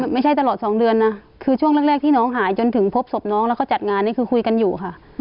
ไม่ใช่ตลอด๒เดือนนะคือช่วงแรกที่น้องหายจนถึงพบศพน้องแล้วก็จัดงานนี่คือคุยกันอยู่ค่ะ